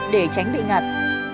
để tránh bị ngặt